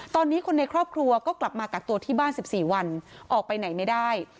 ตอนนี้คนในครอบครัวก็กลับมากักตัวที่บ้าน๑๔วันออกไปไหนไม่ได้